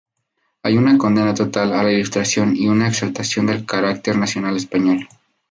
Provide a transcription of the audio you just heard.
Hay una condena total a la Ilustración y una exaltación del carácter nacional español.